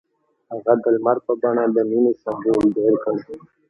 هغه د لمر په بڼه د مینې سمبول جوړ کړ.